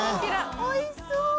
おいしそう。